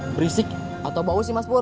berisik atau bau sih mas bur